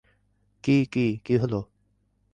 কী, কী, কী হলো?